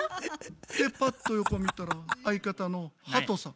でパッと横見たら相方のハトさん。